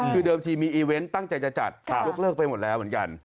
คือเดิมทีมีอีเวนต์ตั้งใจจะจัดยกเลิกไปหมดแล้วเหมือนกัน